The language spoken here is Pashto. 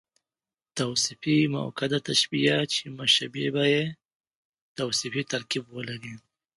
توصيفي مؤکده تشبیه، چي مشبه به ئې توصیفي ترکيب ولري.